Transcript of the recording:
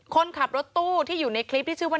คนขับรถตู้ที่อยู่ในคลิปที่ชื่อว่า